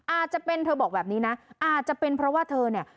อาจจะเป็นเธอบอกแบบนี้นะอาจจะเป็นเพราะว่าเธอเนี่ย